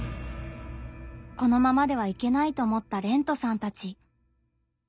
このままではいけないと思ったれんとさんたち。